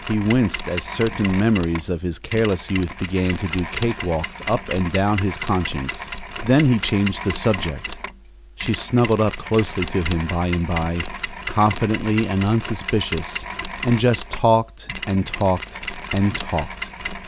He winced as certain memories of his careless youth began to do cake walks up and down his conscience. Then he changed the subject. She snuggled up closely to him, by and by, confidingly and unsuspicious, and just talked and talked and talked.